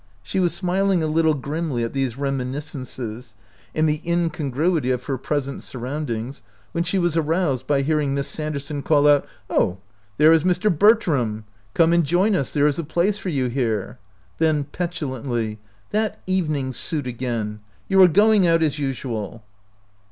She was smiling a little grimly at these rem iniscences and the incongruity of her pres 57 OUT OF BOHEMIA ent surroundings, when she was aroused by hearing Miss Sanderson call out :" Oh, there is Mr. Bertram ! Come and join us ; there is a place for you here." Then petulantly, " That evening suit again ! You are going out, as usual."